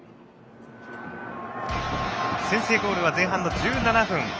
先制ゴールは前半の１７分。